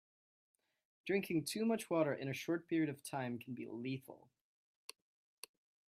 Drinking too much water in a short period of time can be lethal.